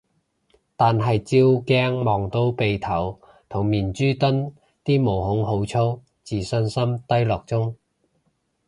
但係照鏡望到鼻頭同面珠墩啲毛孔好粗，自信心低落中